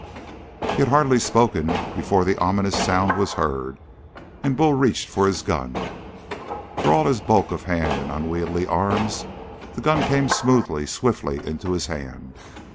He had hardly spoken before the ominous sound was heard, and Bull reached for his gun. For all his bulk of hand and unwieldy arms, the gun came smoothly, swiftly into his hand.